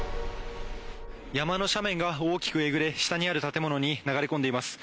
山の斜面が大きくえぐれ下にある建物に流れ込んでいます。